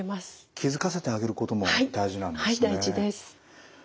気付かせてあげることも大事なんですね。